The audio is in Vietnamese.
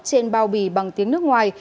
trên bao bì bằng tiếng nước ngoài